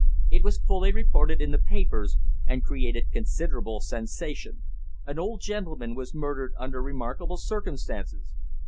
It was fully reported in the papers, and created considerable sensation an old gentleman was murdered under remarkable circumstances.